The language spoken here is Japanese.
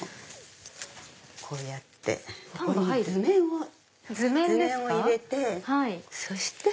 こうやってここに図面を入れてそして。